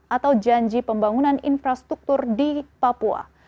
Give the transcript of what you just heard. atau janji pembangunan infrastruktur di papua